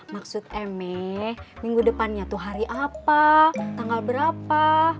maksud my minggu depannya tuh hari apa tanggal berapa